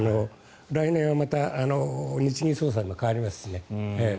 来年はまた日銀総裁も代わりますしね。